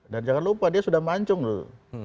dan jangan lupa dia sudah mancung dulu